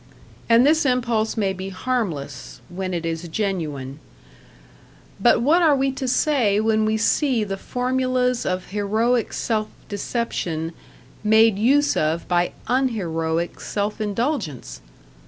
And this impulse may be harmless, when it is genuine. But what are we to say when we see the formulas of heroic self deception made use of by unheroic self indulgence?